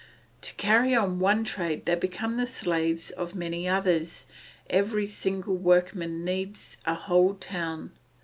To carry on one trade they become the slaves of many others; every single workman needs a whole town.